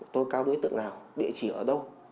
tố cao đối tượng nào địa chỉ ở đâu